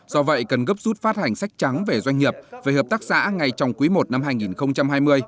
do vậy cần gấp rút phát hành sách trắng về doanh nghiệp về hợp tác xã ngay trong quý i năm hai nghìn hai mươi